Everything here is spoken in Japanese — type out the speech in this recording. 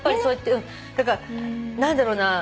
だから何だろうな。